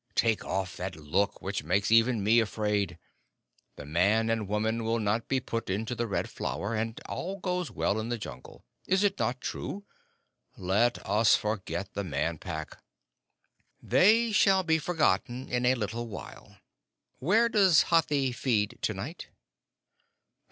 Take off that look which makes even me afraid! The man and woman will not be put into the Red Flower, and all goes well in the Jungle. Is it not true? Let us forget the Man Pack." "They shall be forgotten in a little while. Where does Hathi feed to night?"